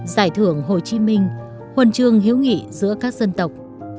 giải thưởng hồ chí minh huần trường hiếu nghị giữa các dân tộc